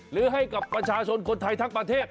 หรือให้กับประชาชนคนไทยทั้งประเทศ